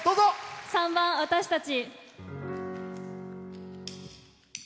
３番「私たち」。